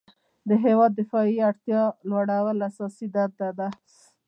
د هیواد دفاعي وړتیا لوړول اساسي دنده ده.